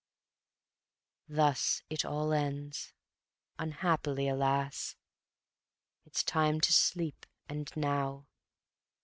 Thus it all ends unhappily, alas! It's time to sleep, and now